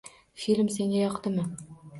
Film senga yoqdimi?